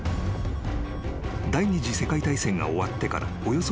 ［第２次世界大戦が終わってからおよそ１０年後］